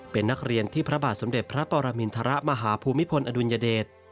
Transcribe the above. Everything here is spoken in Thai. เป็นนักเรียนที่พระบาทสมเด็จพระปรมินทรมาหาภูมิพลอดุลยเดช